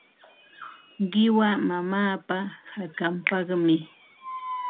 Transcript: Qiwa mamaapa hakanpaqmi.